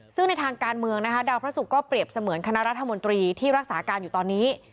ซึ่งในทางการเมืองนะคะดาวพระศุกร์ก็เปรียบเสมือนคณะรัฐมนตรีที่รักษาการอยู่ตอนนี้